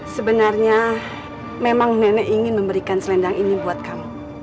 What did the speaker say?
sebenarnya memang nenek ingin memberikan selendang ini buat kamu